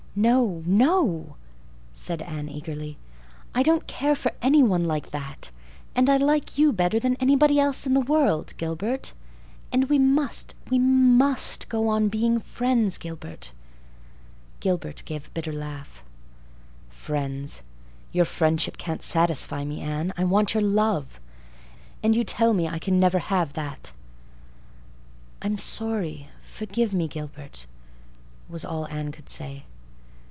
"No—no," said Anne eagerly. "I don't care for any one like that—and I like you better than anybody else in the world, Gilbert. And we must—we must go on being friends, Gilbert." Gilbert gave a bitter little laugh. "Friends! Your friendship can't satisfy me, Anne. I want your love—and you tell me I can never have that." "I'm sorry. Forgive me, Gilbert," was all Anne could say.